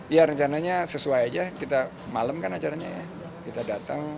ya rencananya sesuai aja kita malam kan acaranya ya kita datang